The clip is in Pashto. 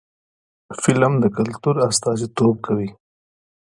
فلم د کلتور استازیتوب کوي